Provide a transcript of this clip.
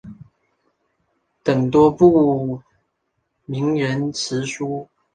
等多部名人辞书。